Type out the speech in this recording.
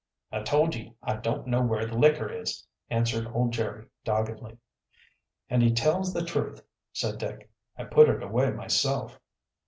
"I told ye I don't know where the liquor is," answered old Jerry doggedly. "And he tells the truth," said Dick. "I put it away myself."